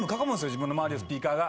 自分の周りをスピーカーが。